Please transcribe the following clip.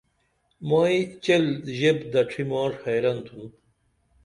مئی چیل ژیپ دڇھی ماݜ حیرن تِھن